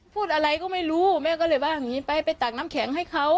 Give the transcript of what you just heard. พูดอะไรก็ไม่รู้แม่ก็เลยว่าอย่างนี้ไปไปตักน้ำแข็งให้เขา